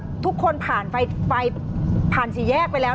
ก็เป็นอีกหนึ่งเหตุการณ์ที่เกิดขึ้นที่จังหวัดต่างปรากฏว่ามีการวนกันไปนะคะ